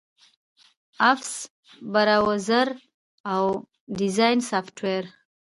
آفس، براوزر، او ډیزاین سافټویر